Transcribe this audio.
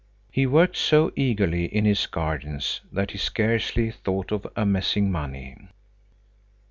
He worked so eagerly in his gardens that he scarcely thought of amassing money.